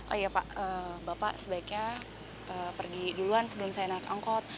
oh iya pak bapak sebaiknya pergi duluan sebelum saya naik angkot